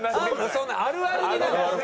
そんなあるあるになるの？